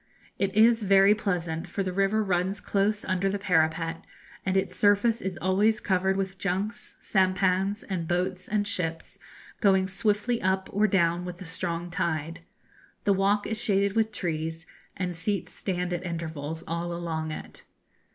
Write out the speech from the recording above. It is very pleasant, for the river runs close under the parapet, and its surface is always covered with junks, sampans, and boats and ships, going swiftly up or down with the strong tide. The walk is shaded with trees, and seats stand at intervals all along it.